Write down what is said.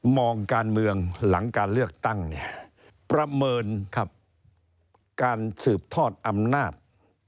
มองการเมืองหลังการเลือกตั้งเนี่ยประเมินครับการสืบทอดอำนาจ